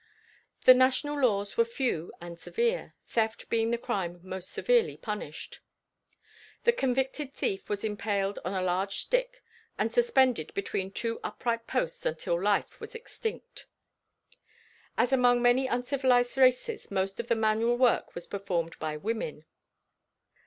The national laws were few and severe, theft being the crime most severely punished. The convicted thief was impaled on a large stick and suspended between two upright posts until life was extinct. As among many uncivilized races most of the manual work was performed by women.